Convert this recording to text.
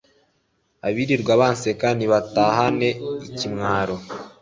abirirwaga banseka, nibatahane ikimwaro